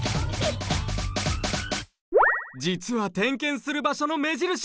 じつは点検する場所の目印。